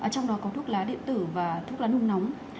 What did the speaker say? trong đó có thuốc lá điện tử và thuốc lá nung nóng